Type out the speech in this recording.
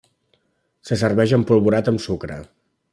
Se serveix empolvorat amb sucre.